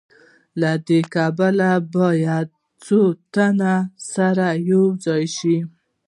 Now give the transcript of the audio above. له دې کبله باید څو تنه سره یوځای شي